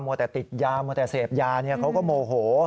มัวแต่ติดยามัวแต่เสพยาเนี่ยเขาก็โมโห